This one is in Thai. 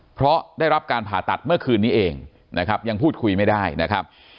เพราะได้รับการผ่าตัดเมื่อคืนนี้เองนะครับยังพูดคุยไม่ได้นะครับ